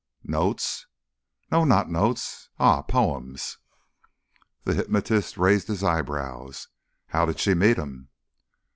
"Notes?" "No not notes.... Ah poems." The hypnotist raised his eyebrows. "How did she meet him?"